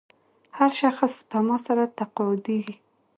هر شخص سپما سره تقاعدېږي.